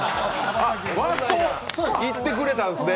ワーストを言ってくれたんですね。